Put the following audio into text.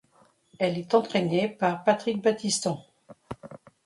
Elle est entraînée par Patrick Battiston.